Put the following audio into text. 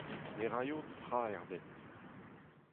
Ne raio tra ebet.